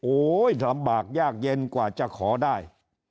ลำบากยากเย็นกว่าจะขอได้